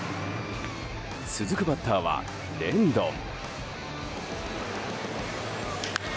続くバッターはレンドン。